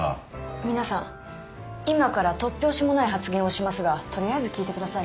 皆さん今から突拍子もない発言をしますが取りあえず聞いてください。